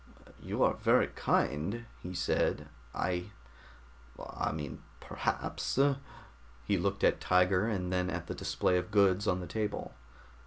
"You are very kind," he said. "I I mean perhaps " He looked at Tiger, and then at the display of goods on the table.